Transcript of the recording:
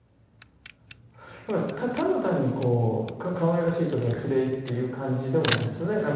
ただ単にこうかわいらしいとかきれいっていう感じでもないですよね。